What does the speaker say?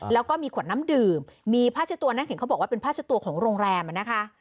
แล้วก็มีขวดน้ำดื่มมีผ้าเช็ดตัวนั่งเห็นเขาบอกว่าเป็นผ้าเช็ดตัวของโรงแรมนะคะ